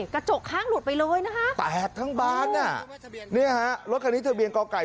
กระจกข้างหลวดไปเลยนะฮะแปดทั้งบานน่ะรถคันนี้ทะเบียนกรก่าย